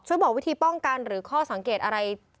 บอกวิธีป้องกันหรือข้อสังเกตอะไร